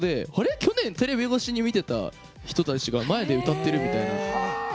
去年、テレビ越しで見てた人たちが前で歌ってるみたいな。